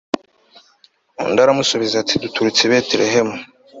undi aramusubiza ati duturutse i betelehemu